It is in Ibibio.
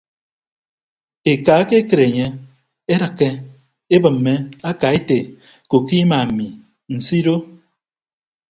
Eka ekekịt enye edịkke ebịmme aka ete koko ima mi nsido.